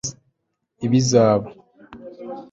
ibizaba